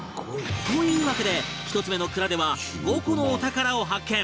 というわけで１つ目の蔵では５個のお宝を発見